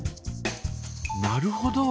なるほど。